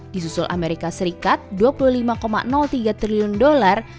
di susul amerika serikat dua puluh lima tiga triliun dolar